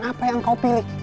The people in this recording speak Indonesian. apa yang engkau pilih